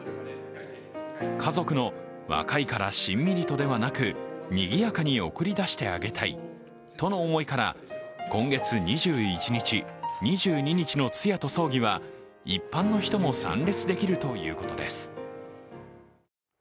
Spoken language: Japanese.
家族の若いからしんみりとではなくにぎやかに送り出してあげたいとの思いから今月２１日、２２日の通夜と葬儀は一般の人も参列できるということです。